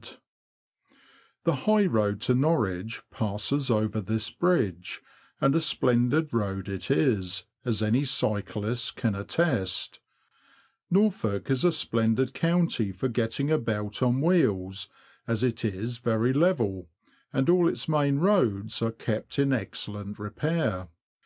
N 178 THE LAND OF THE BROADS. The high road to Norwich passes over this bridge, and a splendid road it is, as any cyclist can attest. Norfolk is a splendid county for getting about on wheels, as it is very level, and all its main roads are kept in excellent repair.